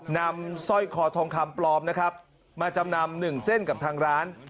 สร้อยคอทองคำปลอมนะครับมาจำนำหนึ่งเส้นกับทางร้าน